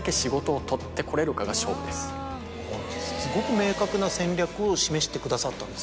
すごく明確な戦略を示してくださったんですね。